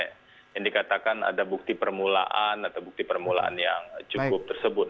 yang dikatakan ada bukti permulaan atau bukti permulaan yang cukup tersebut